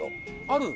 ある？